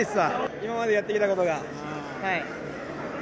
今までやってきたことが。